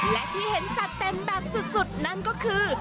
และที่เห็นจัดเต็มแบบสุดนั่นก็คือ